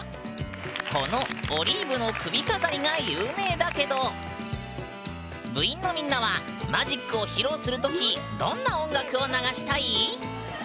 この「オリーブの首飾り」が有名だけど部員のみんなはマジックを披露するときどんな音楽を流したい？